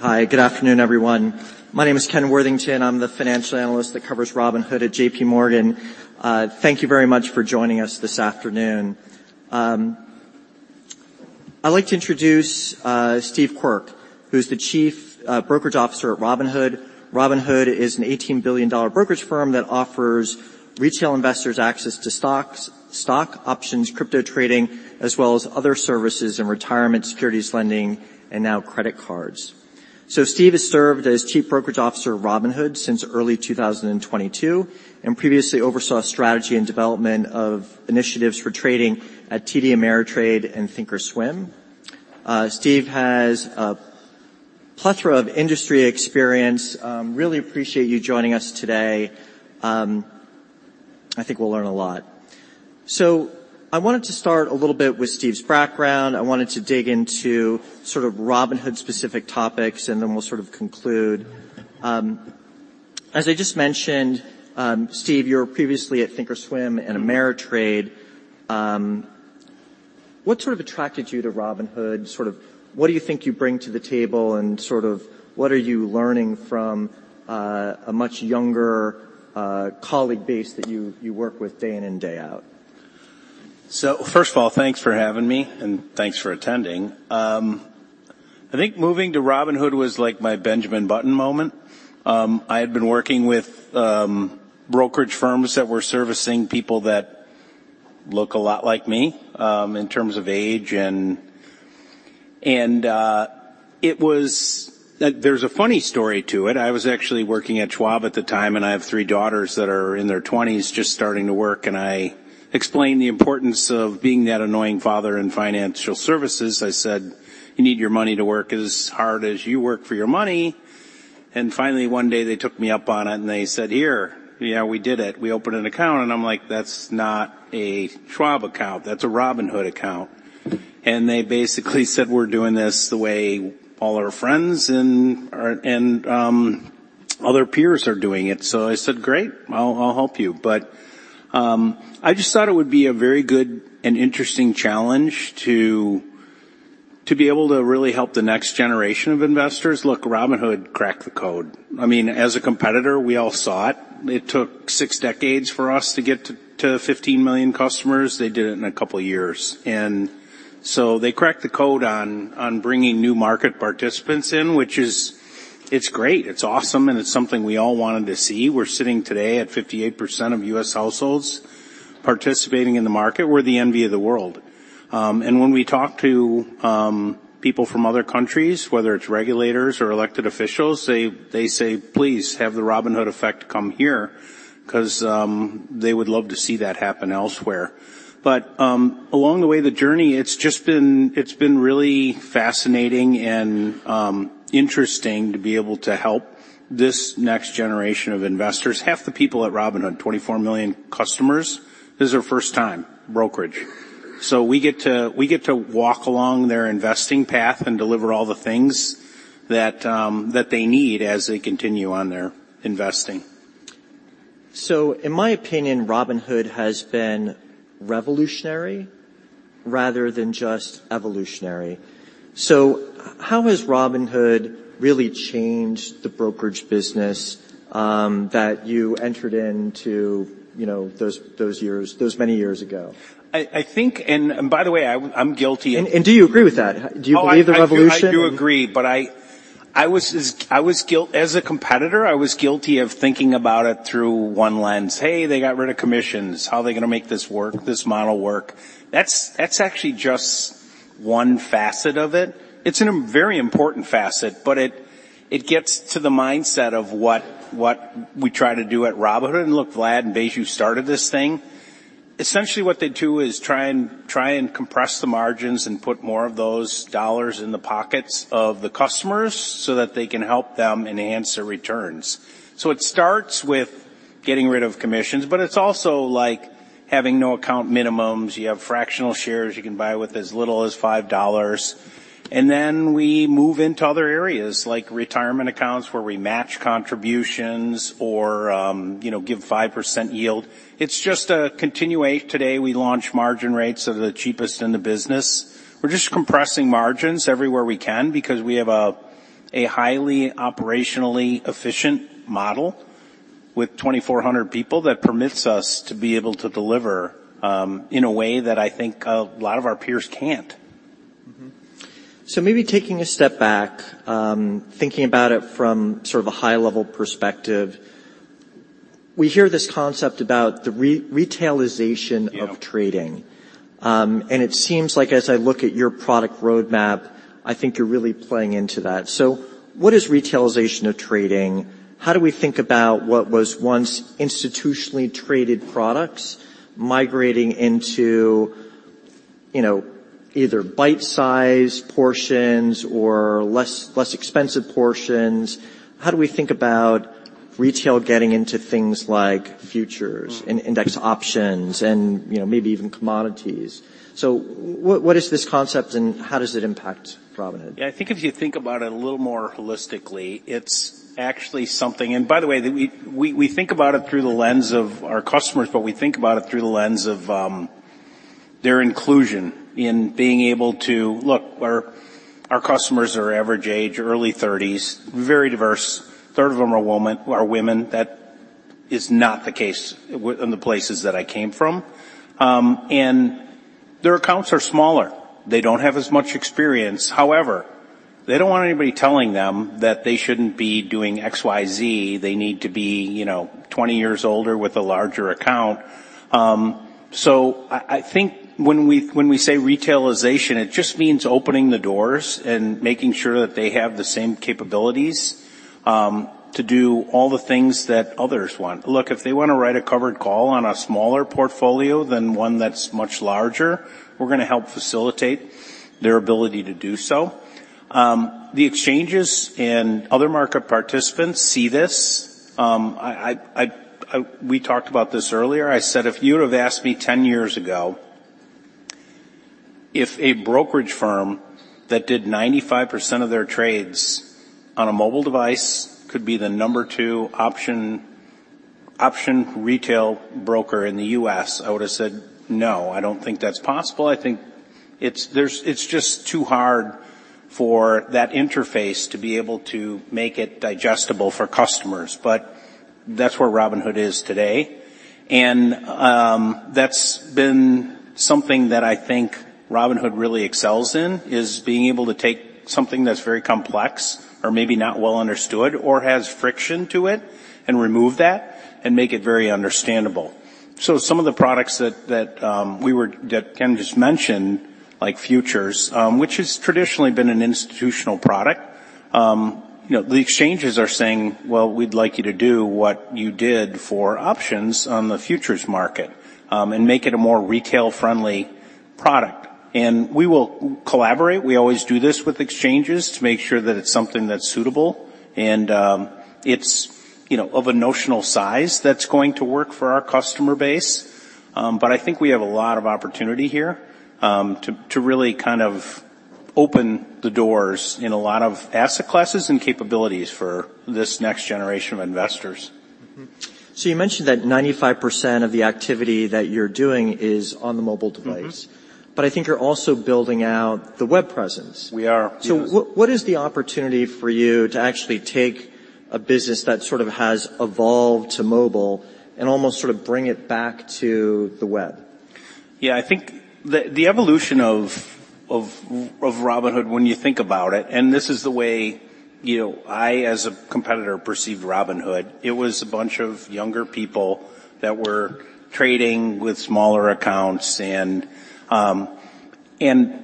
Hi, good afternoon, everyone. My name is Ken Worthington. I'm the financial analyst that covers Robinhood at JPMorgan. Thank you very much for joining us this afternoon. I'd like to introduce Steve Quirk, who's the Chief Brokerage Officer at Robinhood. Robinhood is an $18 billion brokerage firm that offers retail investors access to stocks, stock options, crypto trading, as well as other services and retirement, securities lending, and now credit cards. Steve has served as Chief Brokerage Officer of Robinhood since early 2022, and previously oversaw strategy and development of initiatives for trading at TD Ameritrade and thinkorswim. Steve has a plethora of industry experience. Really appreciate you joining us today. I think we'll learn a lot. I wanted to start a little bit with Steve's background. I wanted to dig into sort of Robinhood-specific topics, and then we'll sort of conclude. As I just mentioned, Steve, you were previously at thinkorswim and Ameritrade. What sort of attracted you to Robinhood? Sort of, what do you think you bring to the table, and sort of what are you learning from, a much younger, colleague base that you, you work with day in and day out? So first of all, thanks for having me, and thanks for attending. I think moving to Robinhood was like my Benjamin Button moment. I had been working with brokerage firms that were servicing people that look a lot like me in terms of age and it was, there's a funny story to it. I was actually working at Schwab at the time, and I have three daughters that are in their twenties, just starting to work, and I explained the importance of being that annoying father in financial services. I said, "You need your money to work as hard as you work for your money." And finally, one day, they took me up on it, and they said, "Here, yeah, we did it. We opened an account." And I'm like: "That's not a Schwab account, that's a Robinhood account." And they basically said: "We're doing this the way all our friends and our, and other peers are doing it." So I said, "Great, I'll help you." But I just thought it would be a very good and interesting challenge to be able to really help the next generation of investors. Look, Robinhood cracked the code. I mean, as a competitor, we all saw it. It took 6 decades for us to get to 15 million customers. They did it in a couple of years. And so they cracked the code on bringing new market participants in, which is, it's great, it's awesome, and it's something we all wanted to see. We're sitting today at 58% of U.S. households participating in the market. We're the envy of the world. And when we talk to people from other countries, whether it's regulators or elected officials, they say, "Please, have the Robinhood effect come here," 'cause they would love to see that happen elsewhere. But along the way, the journey, it's been really fascinating and interesting to be able to help this next generation of investors. Half the people at Robinhood, 24 million customers, this is their first time brokerage. So we get to walk along their investing path and deliver all the things that they need as they continue on their investing. So in my opinion, Robinhood has been revolutionary rather than just evolutionary. So how has Robinhood really changed the brokerage business that you entered into, you know, those years, those many years ago? I think, and by the way, I, I'm guilty, and, do you agree with that? Do you believe the revolution? Oh, I do agree, but as a competitor, I was guilty of thinking about it through one lens. "Hey, they got rid of commissions. How are they gonna make this work, this model work?" That's actually just one facet of it. It's a very important facet, but it gets to the mindset of what we try to do at Robinhood. And look, Vlad and Baiju started this thing. Essentially, what they do is try and compress the margins and put more of those dollars in the pockets of the customers, so that they can help them enhance their returns. So it starts with getting rid of commissions, but it's also like having no account minimums. You have fractional shares you can buy with as little as $5. And then we move into other areas, like retirement accounts, where we match contributions or, you know, give 5% yield. It's just a continuation. Today, we launched margin rates of the cheapest in the business. We're just compressing margins everywhere we can because we have a highly operationally efficient model with 2,400 people that permits us to be able to deliver in a way that I think a lot of our peers can't. Mm-hmm. So maybe taking a step back, thinking about it from sort of a high-level perspective, we hear this concept about the retailization of trading. And it seems like as I look at your product roadmap, I think you're really playing into that. So what is retailization of trading? How do we think about what was once institutionally traded products migrating into, you know, either bite-sized portions or less, less expensive portions? How do we think about retail getting into things like futures and index options and, you know, maybe even commodities? So what is this concept, and how does it impact Robinhood? Yeah, I think if you think about it a little more holistically, it's actually something. And by the way, that we think about it through the lens of our customers, but we think about it through the lens of their inclusion in being able to. Look, our customers are average age early thirties, very diverse. A third of them are women. That is not the case in the places that I came from. And their accounts are smaller. They don't have as much experience. However, they don't want anybody telling them that they shouldn't be doing XYZ. They need to be, you know, 20 years older with a larger account. So I think when we say retailization, it just means opening the doors and making sure that they have the same capabilities to do all the things that others want. Look, if they want to write a covered call on a smaller portfolio than one that's much larger, we're gonna help facilitate their ability to do so. The exchanges and other market participants see this. We talked about this earlier. I said, "If you would have asked me 10 years ago, if a brokerage firm that did 95% of their trades on a mobile device could be the number two options retail broker in the U.S.," I would have said, "No, I don't think that's possible. I think it's just too hard for that interface to be able to make it digestible for customers." But that's where Robinhood is today, and that's been something that I think Robinhood really excels in, is being able to take something that's very complex or maybe not well understood or has friction to it, and remove that and make it very understandable. So some of the products that Ken just mentioned, like futures, which has traditionally been an institutional product. You know, the exchanges are saying, "Well, we'd like you to do what you did for options on the futures market, and make it a more retail-friendly product." And we will collaborate. We always do this with exchanges to make sure that it's something that's suitable and, you know, of a notional size that's going to work for our customer base. But I think we have a lot of opportunity here to really kind of open the doors in a lot of asset classes and capabilities for this next generation of investors. Mm-hmm. So you mentioned that 95% of the activity that you're doing is on the mobile device. Mm-hmm. I think you're also building out the web presence. We are. Yes. What is the opportunity for you to actually take a business that sort of has evolved to mobile and almost sort of bring it back to the web? Yeah, I think the evolution of Robinhood, when you think about it, and this is the way, you know, I, as a competitor, perceived Robinhood. It was a bunch of younger people that were trading with smaller accounts, and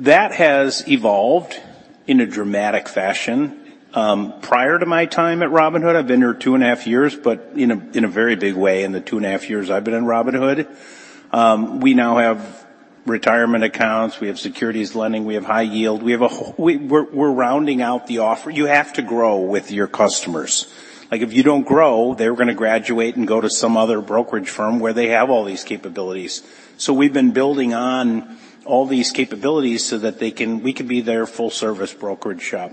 that has evolved in a dramatic fashion. Prior to my time at Robinhood, I've been here two and a half years, but in a very big way, in the two and a half years I've been in Robinhood. We now have retirement accounts, we have securities lending, we have high yield, we're rounding out the offer. You have to grow with your customers. Like, if you don't grow, they're gonna graduate and go to some other brokerage firm where they have all these capabilities. So we've been building on all these capabilities so that we can be their full-service brokerage shop.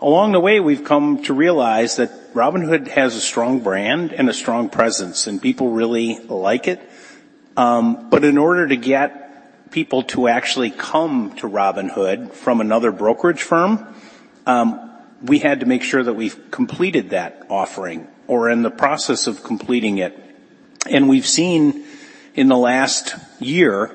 Along the way, we've come to realize that Robinhood has a strong brand and a strong presence, and people really like it. But in order to get people to actually come to Robinhood from another brokerage firm, we had to make sure that we've completed that offering or in the process of completing it. We've seen in the last year,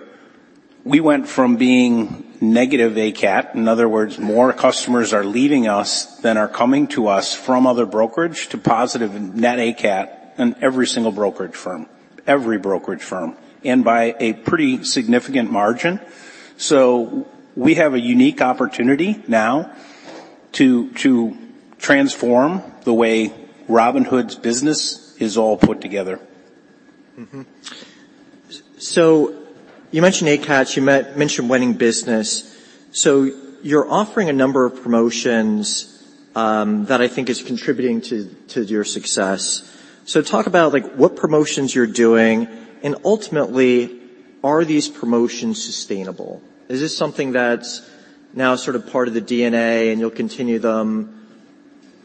we went from being negative ACAT. In other words, more customers are leaving us than are coming to us from other brokerage to positive net ACAT in every single brokerage firm, every brokerage firm, and by a pretty significant margin. So we have a unique opportunity now to transform the way Robinhood's business is all put together. Mm-hmm. So you mentioned ACAT. You mentioned winning business. So you're offering a number of promotions that I think is contributing to your success. So talk about, like, what promotions you're doing, and ultimately, are these promotions sustainable? Is this something that's now sort of part of the DNA, and you'll continue them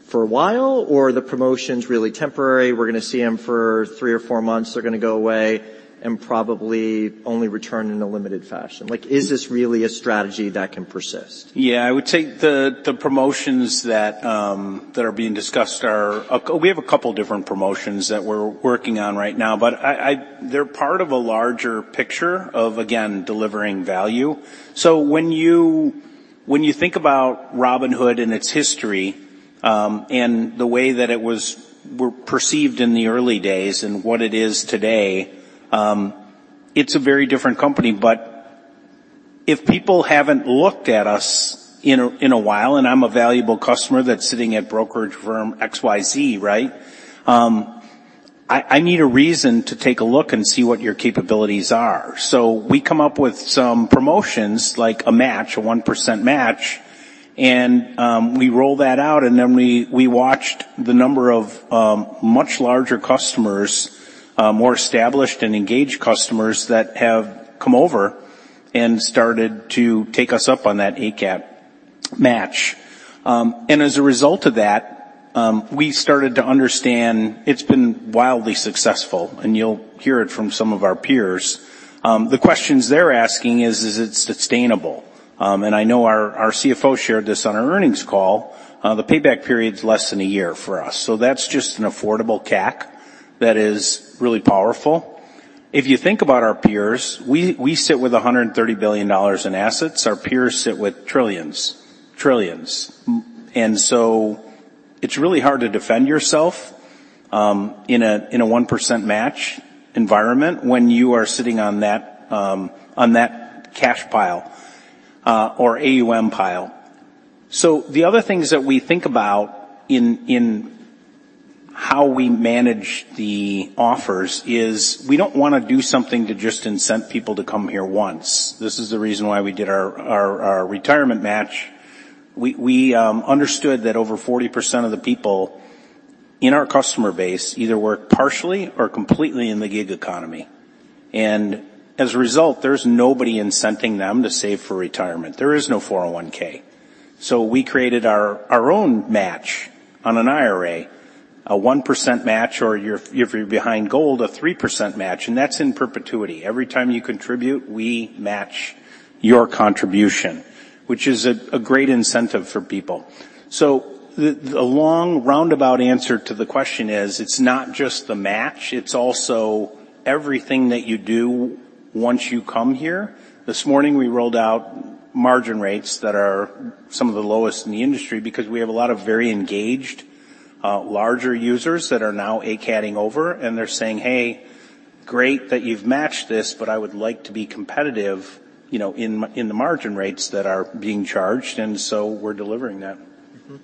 for a while, or are the promotions really temporary? We're gonna see them for three or four months, they're gonna go away and probably only return in a limited fashion. Like, is this really a strategy that can persist? Yeah, I would say the promotions that are being discussed are we have a couple different promotions that we're working on right now, but they're part of a larger picture of, again, delivering value. So when you think about Robinhood and its history, and the way that we were perceived in the early days and what it is today, it's a very different company. But if people haven't looked at us in a while, and I'm a valuable customer that's sitting at brokerage firm XYZ, right? I need a reason to take a look and see what your capabilities are. So we come up with some promotions, like a match, a 1% match, and we roll that out, and then we watched the number of much larger customers, more established and engaged customers that have come over and started to take us up on that ACAT match. And as a result of that, we started to understand it's been wildly successful, and you'll hear it from some of our peers. The questions they're asking is, is it sustainable? And I know our CFO shared this on our earnings call. The payback period is less than a year for us, so that's just an affordable CAC that is really powerful. If you think about our peers, we sit with $130 billion in assets. Our peers sit with trillions. Trillions. And so it's really hard to defend yourself in a 1% match environment when you are sitting on that cash pile or AUM pile. So the other things that we think about in how we manage the offers is we don't wanna do something to just incent people to come here once. This is the reason why we did our retirement match. We understood that over 40% of the people in our customer base either work partially or completely in the gig economy, and as a result, there's nobody incenting them to save for retirement. There is no 401(k). So we created our own match on an IRA, a 1% match, or if you're Robinhood Gold, a 3% match, and that's in perpetuity. Every time you contribute, we match your contribution, which is a great incentive for people. So the long, roundabout answer to the question is, it's not just the match, it's also everything that you do once you come here. This morning, we rolled out margin rates that are some of the lowest in the industry because we have a lot of very engaged, larger users that are now ACATing over, and they're saying: "Hey, great that you've matched this, but I would like to be competitive, you know, in the margin rates that are being charged," and so we're delivering that. Mm-hmm.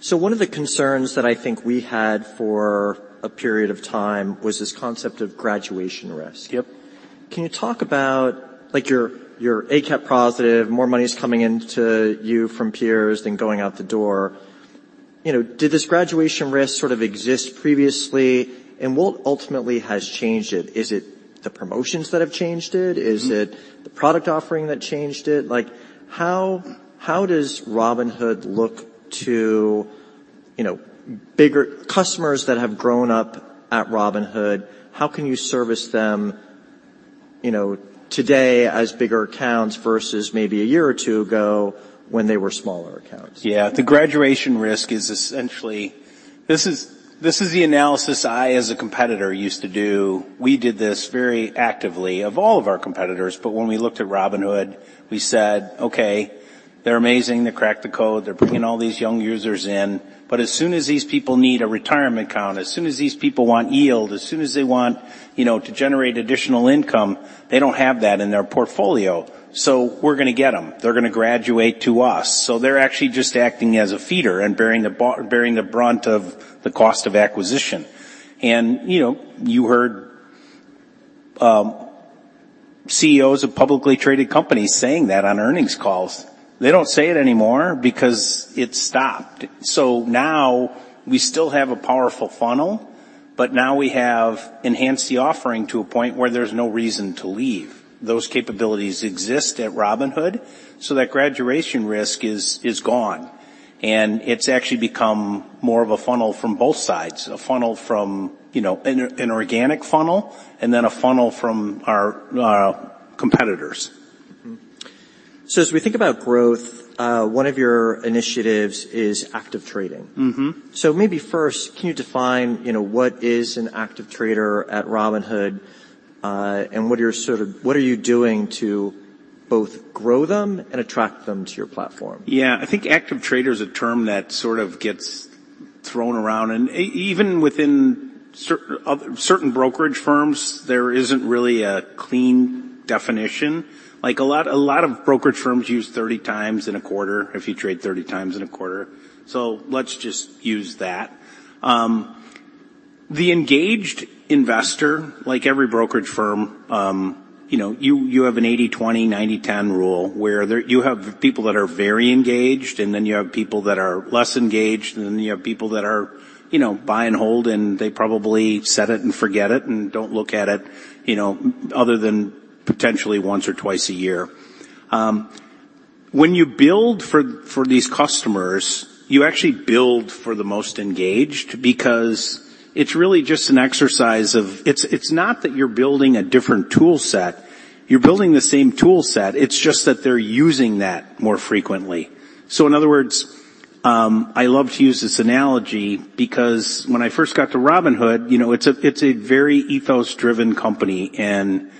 So one of the concerns that I think we had for a period of time was this concept of graduation risk. Yep. Can you talk about, like, you're, you're ACAT positive, more money is coming into you from peers than going out the door? You know, did this graduation risk sort of exist previously, and what ultimately has changed it? Is it the promotions that have changed it? Mm-hmm. Is it the product offering that changed it? Like, how, how does Robinhood look to, you know, bigger customers that have grown up at Robinhood, how can you service them, you know, today as bigger accounts versus maybe a year or two ago when they were smaller accounts? Yeah. The graduation risk is essentially... This is the analysis I, as a competitor, used to do. We did this very actively of all of our competitors, but when we looked at Robinhood, we said, "Okay, they're amazing. They cracked the code. They're bringing all these young users in, but as soon as these people need a retirement account, as soon as these people want yield, as soon as they want, you know, to generate additional income, they don't have that in their portfolio. So we're gonna get them. They're gonna graduate to us. So they're actually just acting as a feeder and bearing the brunt of the cost of acquisition." You know, you heard CEOs of publicly traded companies saying that on earnings calls. They don't say it anymore because it stopped. So now we still have a powerful funnel, but now we have enhanced the offering to a point where there's no reason to leave. Those capabilities exist at Robinhood, so that graduation risk is gone, and it's actually become more of a funnel from both sides, a funnel from, you know, an organic funnel and then a funnel from our competitors. Mm-hmm. So as we think about growth, one of your initiatives is active trading. Mm-hmm. Maybe first, can you define, you know, what is an active trader at Robinhood, and what are you doing to both grow them and attract them to your platform? Yeah. I think active trader is a term that sort of gets thrown around, and even within certain brokerage firms, there isn't really a clean definition. Like, a lot, a lot of brokerage firms use 30 times in a quarter, if you trade 30 times in a quarter. So let's just use that. The engaged investor, like every brokerage firm, you know, you have an 80/20, 90/10 rule, where you have people that are very engaged, and then you have people that are less engaged, and then you have people that are, you know, buy and hold, and they probably set it and forget it and don't look at it, you know, other than potentially once or twice a year. When you build for these customers, you actually build for the most engaged because it's really just an exercise of. It's not that you're building a different tool set. You're building the same tool set, it's just that they're using that more frequently. So in other words, I love to use this analogy because when I first got to Robinhood, you know, it's a, it's a very ethos-driven company, and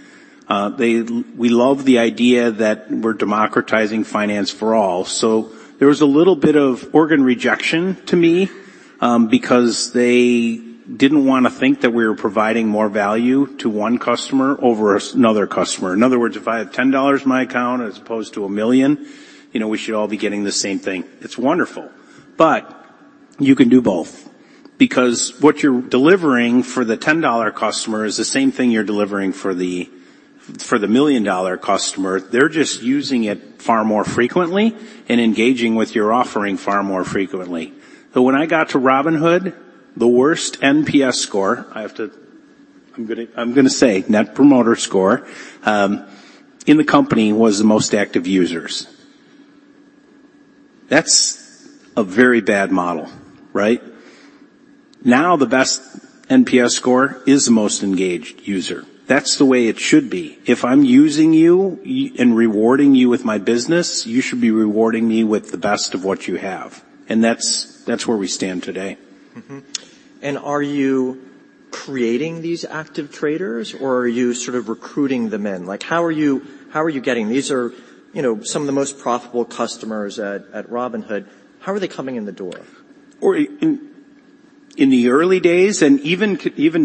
we love the idea that we're democratizing finance for all. So there was a little bit of organ rejection to me, because they didn't wanna think that we were providing more value to one customer over another customer. In other words, if I have $10 in my account as opposed to $1 million, you know, we should all be getting the same thing. It's wonderful, but you can do both because what you're delivering for the $10 customer is the same thing you're delivering for the $1 million customer. They're just using it far more frequently and engaging with your offering far more frequently. So when I got to Robinhood, the worst NPS score, I'm gonna say Net Promoter Score in the company was the most active users. That's a very bad model, right? Now, the best NPS score is the most engaged user. That's the way it should be. If I'm using you and rewarding you with my business, you should be rewarding me with the best of what you have, and that's where we stand today. Mm-hmm. And are you creating these active traders, or are you sort of recruiting them in? Like, how are you, how are you getting, these are, you know, some of the most profitable customers at, at Robinhood. How are they coming in the door? Or in the early days, and even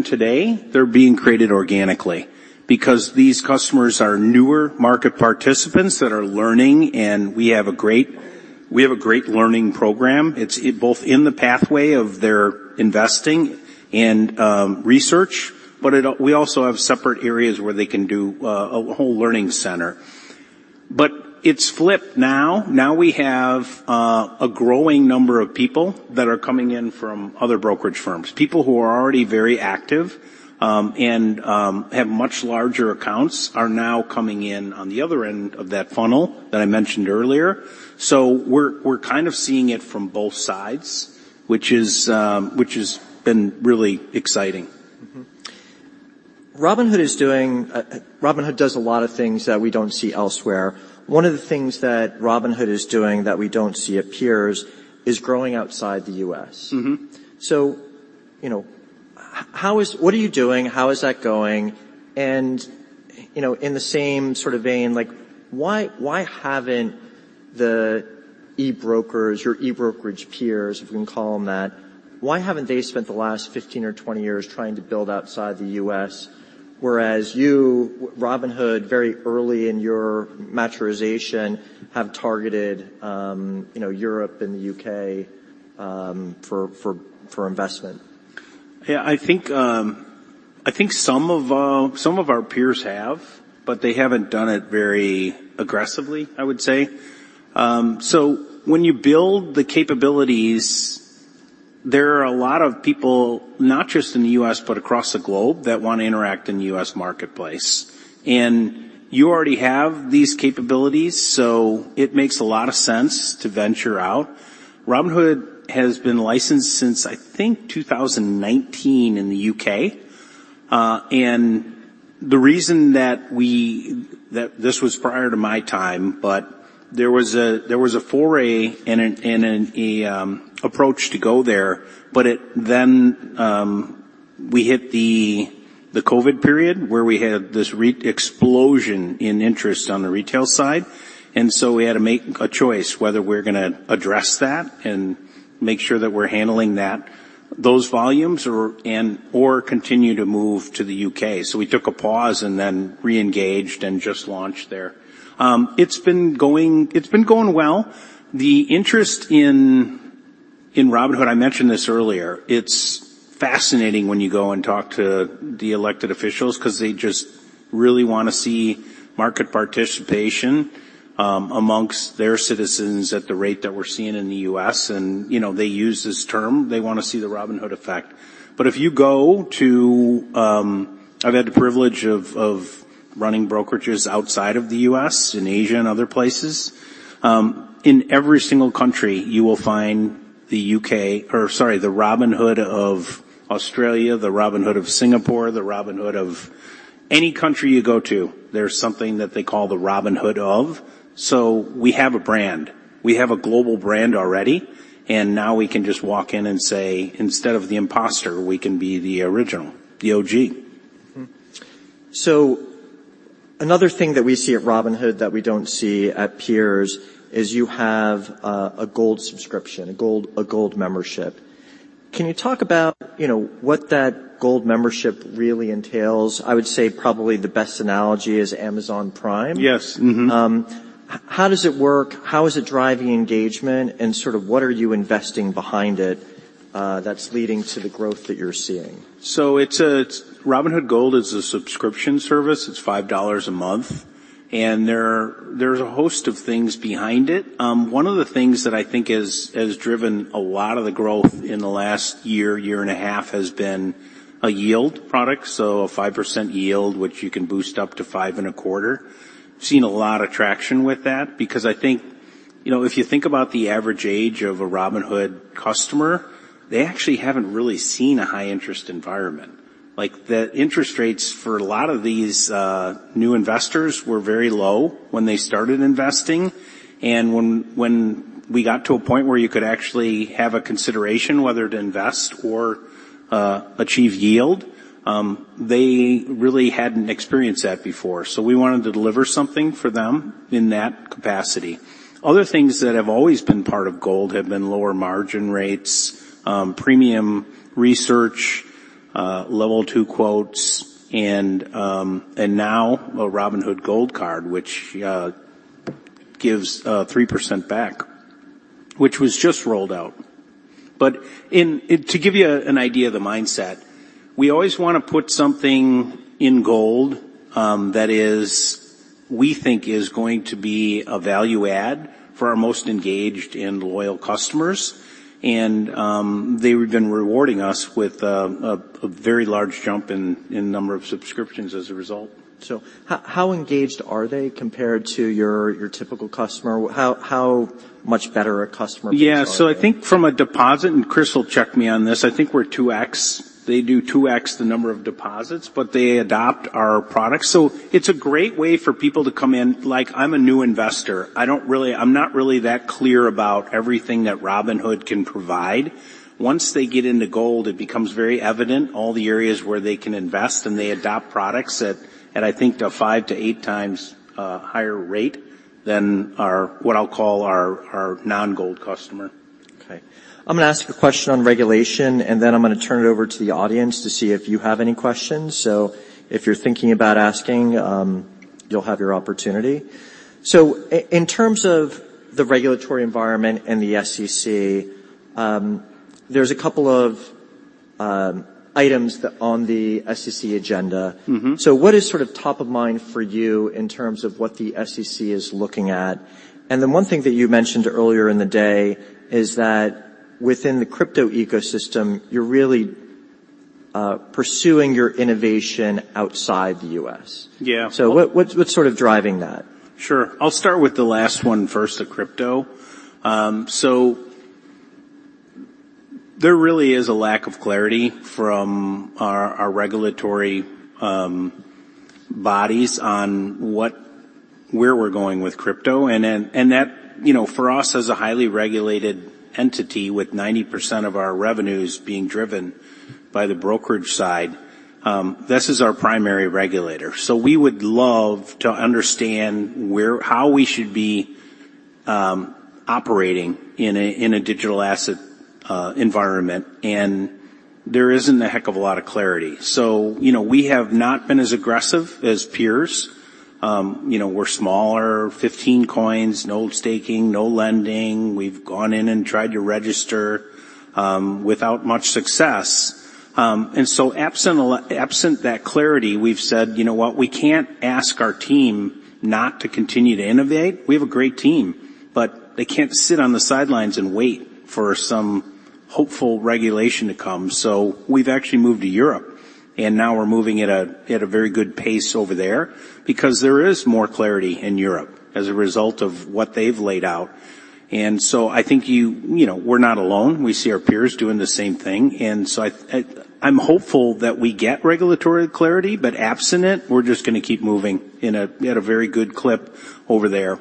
today, they're being created organically because these customers are newer market participants that are learning, and we have a great, we have a great learning program. It's both in the pathway of their investing and research, but we also have separate areas where they can do a whole learning center. But it's flipped now. Now we have a growing number of people that are coming in from other brokerage firms. People who are already very active and have much larger accounts are now coming in on the other end of that funnel that I mentioned earlier. So we're kind of seeing it from both sides, which has been really exciting. Mm-hmm. Robinhood does a lot of things that we don't see elsewhere. One of the things that Robinhood is doing that we don't see at peers is growing outside the U.S. Mm-hmm. So, you know, how is, what are you doing? How is that going? And, you know, in the same sort of vein, like, why, why haven't the e-brokers or e-brokerage peers, if we can call them that, why haven't they spent the last 15 or 20 years trying to build outside the U.S.? Whereas you, Robinhood, very early in your maturation, have targeted, you know, Europe and the U.K. for investment. Yeah, I think some of our peers have, but they haven't done it very aggressively, I would say. So when you build the capabilities, there are a lot of people, not just in the U.S., but across the globe, that want to interact in the U.S. marketplace. And you already have these capabilities, so it makes a lot of sense to venture out. Robinhood has been licensed since, I think, 2019 in the U.K. And the reason that we, that this was prior to my time, but there was a foray and an approach to go there, but it then we hit the COVID period, where we had this re-explosion in interest on the retail side, and so we had to make a choice whether we're gonna address that and make sure that we're handling those volumes or continue to move to the UK. So we took a pause and then re-engaged and just launched there. It's been going well. The interest in Robinhood, I mentioned this earlier, it's fascinating when you go and talk to the elected officials 'cause they just really wanna see market participation among their citizens at the rate that we're seeing in the U.S., and, you know, they use this term, they wanna see the Robinhood effect. But if you go to, I've had the privilege of running brokerages outside of the U.S., in Asia and other places. In every single country, you will find the U.K., or sorry, the Robinhood of Australia, the Robinhood of Singapore, the Robinhood of any country you go to, there's something that they call the Robinhood of. So we have a brand. We have a global brand already, and now we can just walk in and say, "Instead of the imposter, we can be the original, the OG. Mm-hmm. So another thing that we see at Robinhood that we don't see at peers is you have a gold subscription, a gold, a gold membership. Can you talk about, you know, what that gold membership really entails? I would say probably the best analogy is Amazon Prime. Yes. Mm-hmm. How does it work? How is it driving engagement, and sort of what are you investing behind it, that's leading to the growth that you're seeing? So it's, it's Robinhood Gold is a subscription service. It's $5 a month, and there's a host of things behind it. One of the things that I think has driven a lot of the growth in the last year and a half has been a yield product, so a 5% yield, which you can boost up to 5.25%. Seen a lot of traction with that because I think, you know, if you think about the average age of a Robinhood customer, they actually haven't really seen a high-interest environment. Like, the interest rates for a lot of these new investors were very low when they started investing, and when we got to a point where you could actually have a consideration whether to invest or achieve yield, they really hadn't experienced that before. So we wanted to deliver something for them in that capacity. Other things that have always been part of Gold have been lower margin rates, premium research, Level II quotes, and now a Robinhood Gold Card, which gives 3% back, which was just rolled out. But to give you an idea of the mindset, we always wanna put something in Gold, we think is going to be a value add for our most engaged and loyal customers, and they've been rewarding us with a very large jump in number of subscriptions as a result. So how engaged are they compared to your typical customer? How much better a customer things are? Yeah, so I think from a deposit, and Chris will check me on this, I think we're 2x. They do 2x the number of deposits, but they adopt our products. So it's a great way for people to come in, like, "I'm a new investor. I don't really. I'm not really that clear about everything that Robinhood can provide." Once they get into Gold, it becomes very evident all the areas where they can invest, and they adopt products at, I think, a 5-8 times higher rate than our, what I'll call our non-Gold customer. Okay. I'm gonna ask you a question on regulation, and then I'm gonna turn it over to the audience to see if you have any questions. So if you're thinking about asking, you'll have your opportunity. So in terms of the regulatory environment and the SEC, there's a couple of items on the SEC agenda. Mm-hmm. So what is sort of top of mind for you in terms of what the SEC is looking at? And then one thing that you mentioned earlier in the day is that within the crypto ecosystem, you're really pursuing your innovation outside the U.S. Yeah. So what's sort of driving that? Sure. I'll start with the last one first, the crypto. So there really is a lack of clarity from our regulatory bodies on where we're going with crypto, and that, you know, for us, as a highly regulated entity, with 90% of our revenues being driven by the brokerage side, this is our primary regulator. So we would love to understand where - how we should be operating in a digital asset environment, and there isn't a heck of a lot of clarity. So, you know, we have not been as aggressive as peers. You know, we're smaller, 15 coins, no staking, no lending. We've gone in and tried to register, without much success. And so absent that clarity, we've said: You know what? We can't ask our team not to continue to innovate. We have a great team, but they can't sit on the sidelines and wait for some hopeful regulation to come. So we've actually moved to Europe, and now we're moving at a very good pace over there because there is more clarity in Europe as a result of what they've laid out. And so I think you know, we're not alone. We see our peers doing the same thing, and so I'm hopeful that we get regulatory clarity, but absent it, we're just gonna keep moving at a very good clip over there.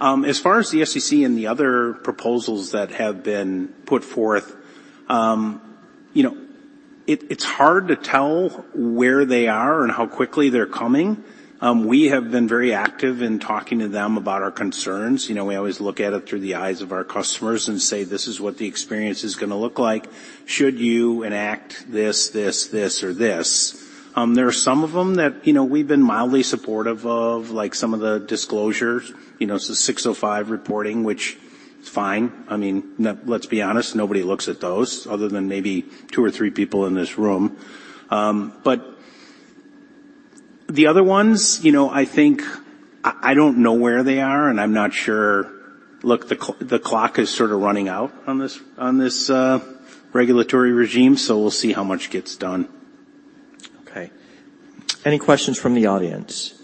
As far as the SEC and the other proposals that have been put forth, you know, it's hard to tell where they are and how quickly they're coming. We have been very active in talking to them about our concerns. You know, we always look at it through the eyes of our customers and say, "This is what the experience is gonna look like. Should you enact this, this, this, or this?" There are some of them that, you know, we've been mildly supportive of, like some of the disclosures, you know, so 605 reporting, which is fine. I mean, let's be honest, nobody looks at those other than maybe two or three people in this room. But the other ones, you know, I think I don't know where they are, and I'm not sure... Look, the clock is sort of running out on this, on this, regulatory regime, so we'll see how much gets done. Okay. Any questions from the audience?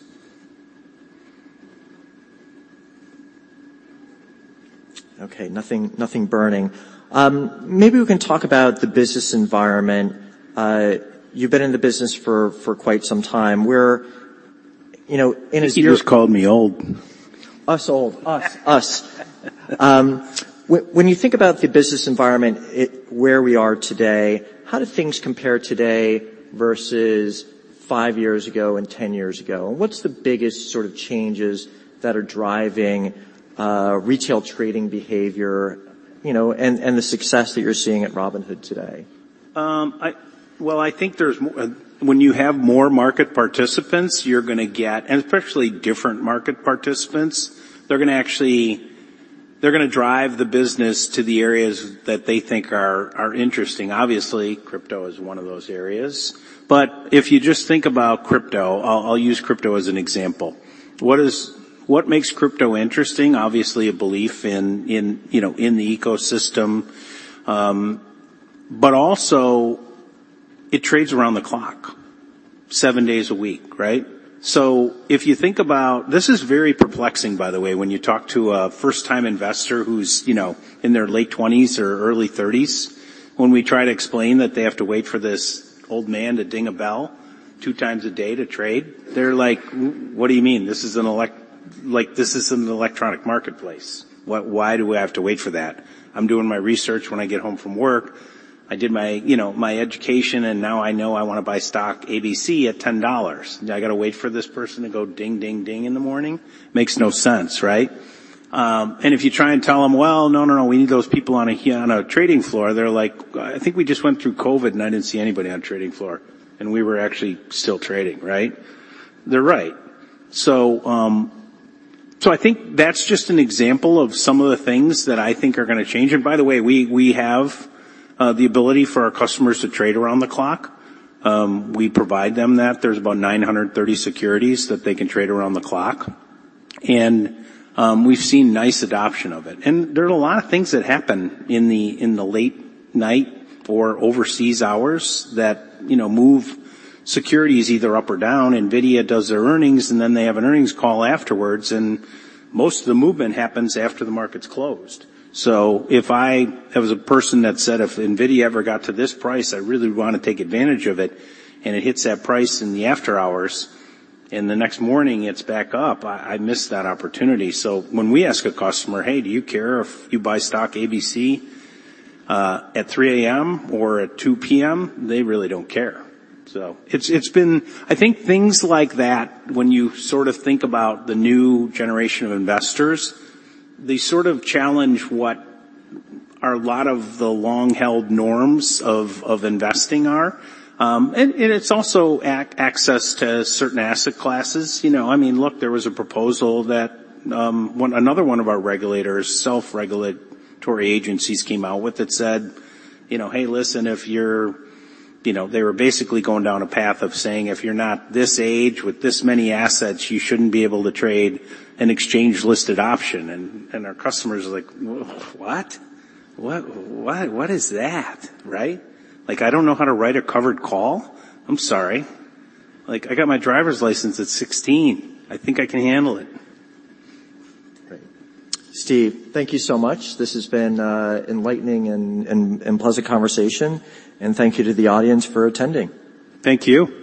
Okay, nothing, nothing burning. Maybe we can talk about the business environment. You've been in the business for, for quite some time, where, you know, in a year- You just called me old. When you think about the business environment, where we are today, how do things compare today versus five years ago and 10 years ago? What's the biggest sort of changes that are driving retail trading behavior, you know, and the success that you're seeing at Robinhood today? Well, I think there's more—when you have more market participants, you're gonna get... And especially different market participants, they're gonna actually—they're gonna drive the business to the areas that they think are, are interesting. Obviously, crypto is one of those areas. But if you just think about crypto, I'll, I'll use crypto as an example. What is—what makes crypto interesting? Obviously, a belief in, in, you know, in the ecosystem, but also it trades around the clock, seven days a week, right? So if you think about... This is very perplexing, by the way, when you talk to a first-time investor who's, you know, in their late twenties or early thirties. When we try to explain that they have to wait for this old man to ding a bell two times a day to trade, they're like: "What do you mean? This is an electronic marketplace. Why, why do we have to wait for that? I'm doing my research when I get home from work. I did my, you know, my education, and now I know I wanna buy stock ABC at $10. Now I got to wait for this person to go ding, ding, ding in the morning? Makes no sense, right? And if you try and tell them, "Well, no, no, no, we need those people on a trading floor," they're like: "I think we just went through COVID, and I didn't see anybody on the trading floor, and we were actually still trading, right?" They're right. So, I think that's just an example of some of the things that I think are gonna change. And by the way, we have the ability for our customers to trade around the clock. We provide them that. There's about 930 securities that they can trade around the clock, and we've seen nice adoption of it. And there are a lot of things that happen in the late night or overseas hours that, you know, move securities either up or down. NVIDIA does their earnings, and then they have an earnings call afterwards, and most of the movement happens after the market's closed. So if I, as a person, that said, "If NVIDIA ever got to this price, I really want to take advantage of it," and it hits that price in the after-hours, and the next morning it's back up, I missed that opportunity. So when we ask a customer: "Hey, do you care if you buy stock ABC at 3:00 A.M. or at 2:00 P.M.?" They really don't care. So it's, it's been, I think things like that, when you sort of think about the new generation of investors, they sort of challenge what are a lot of the long-held norms of investing are. And it's also access to certain asset classes, you know. I mean, look, there was a proposal that another one of our regulators, self-regulatory agencies, came out with it said, you know, "Hey, listen, if you're..." You know, they were basically going down a path of saying: If you're not this age, with this many assets, you shouldn't be able to trade an exchange-listed option. And our customers are like: "Well, what? What? What is that?" Right? Like, I don't know how to write a covered call. I'm sorry. Like, I got my driver's license at 16. I think I can handle it. Great. Steve, thank you so much. This has been an enlightening and pleasant conversation, and thank you to the audience for attending. Thank you.